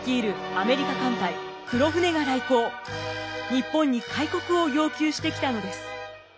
日本に開国を要求してきたのです。